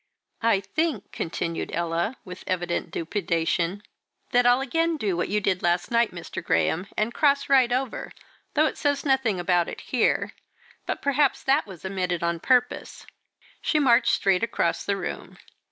"I think," continued Ella, with evident dubitation, "that I'll again do what you did last night, Mr. Graham, and cross right over; though it says nothing about it here, but perhaps that was omitted on purpose." She marched straight across the room.